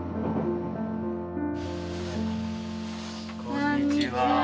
こんにちは。